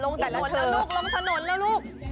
ถนนแล้วลูกลงถนนแล้วลูก